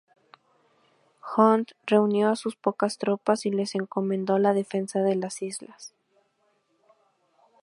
Hunt reunió a sus pocas tropas y les encomendó la defensa de las islas.